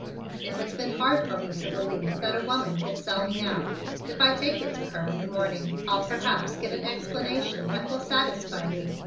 It has been hard for me to believe that a woman would sell me out. If I take it to her in the morning I'll perhaps get an explanation that will satisfy me.